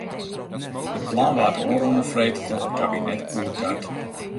It plan waard ôfrûne freed troch it kabinet goedkard.